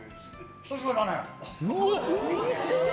久しぶりだね。